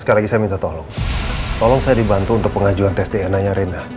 sekarang saya minta tolong tolong saya dibantu untuk pengajuan tes dnanya rina